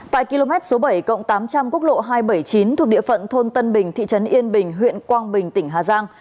tại km số bảy cộng tám trăm linh quốc lộ hai trăm bảy mươi chín thuộc địa phận thôn tân bình thị trấn yên bình huyện quang bình tỉnh hà giang